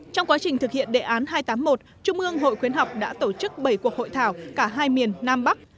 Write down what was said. trong quá trình thực hiện đề án hai trăm tám mươi một trung ương hội khuyến học đã tổ chức bảy cuộc hội thảo cả hai miền nam bắc